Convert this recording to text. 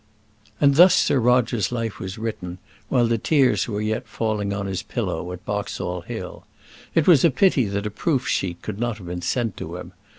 And thus Sir Roger's life was written, while the tears were yet falling on his pillow at Boxall Hill. It was a pity that a proof sheet could not have been sent to him.